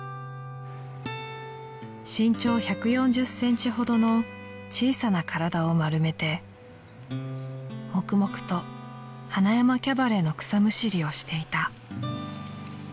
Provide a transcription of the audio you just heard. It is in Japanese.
［身長１４０ｃｍほどの小さな体を丸めて黙々と塙山キャバレーの草むしりをしていたあの人です］